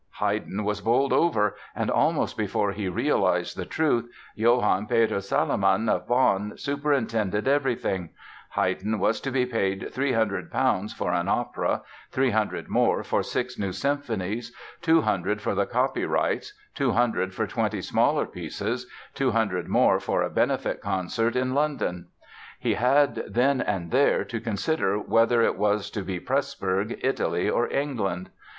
Haydn was bowled over and almost before he realized the truth, Johann Peter Salomon, of Bonn, superintended everything. Haydn was to be paid 300 pounds for an opera, 300 more for six new symphonies, 200 for the copyrights, 200 for twenty smaller pieces, 200 more for a benefit concert in London. He had, then and there, to consider whether it was to be Pressburg, Italy or England.